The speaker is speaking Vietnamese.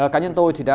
cá nhân tôi thì đã